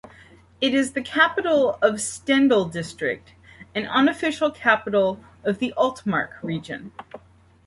It is the capital of Stendal District and unofficial capital of the Altmark region.